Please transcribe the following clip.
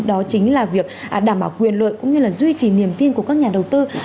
đó chính là việc đảm bảo quyền lợi cũng như là duy trì niềm tin của các nhà đầu tư